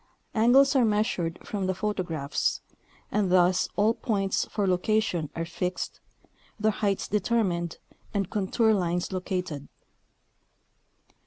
Angles are measured from the photographs, and thus all points for location are fixed, their heights determined and contour lines located.